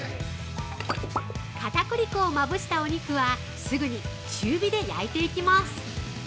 ◆片栗粉をまぶしたお肉はすぐに中火で焼いていきます。